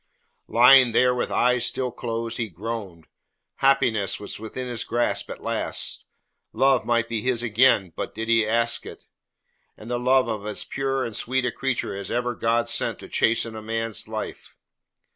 Lying there with eyes still closed he groaned. Happiness was within his grasp at last. Love might be his again did he but ask it, and the love of as pure and sweet a creature as ever God sent to chasten a man's life.